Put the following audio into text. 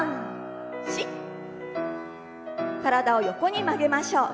体を横に曲げましょう。